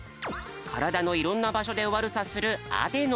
からだのいろんなばしょでわるさするアデノ。